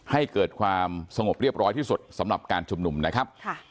ให้เกิดความสงบเรียบร้อยที่สุดสำหรับการชุมนุมนะครับ